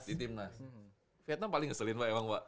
di timnas vietnam paling ngeselin pak